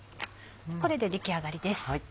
これで出来上がりです。